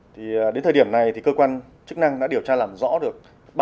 thì đến thời điểm này thì cơ quan chức năng đã điều tra làm rõ được